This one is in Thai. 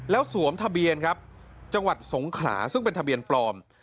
แล้วสวมทะเบียนครับจังหวัดสงขลาซึ่งเป็นทะเบียนปลอม